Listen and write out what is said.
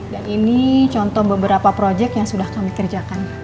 dan ini contoh beberapa project yang sudah kami kerjakan